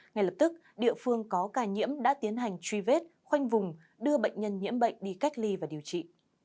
ngay lập tức địa phương có ca nhiễm đã tiến hành truy vết khoanh vùng đưa bệnh nhân nhiễm bệnh đi cách ly và điều trị